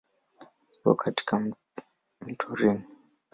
Iko kando ya mto Rhine.